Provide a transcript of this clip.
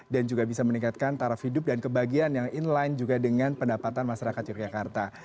dan juga bisa meningkatkan taraf hidup dan kebahagiaan yang inline juga dengan pendapatan masyarakat yogyakarta